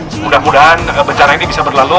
semoga moga becara ini bisa berlalu